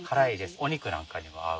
お肉なんかにも合う。